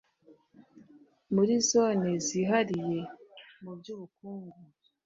muri zone zihariye mu by ubukungu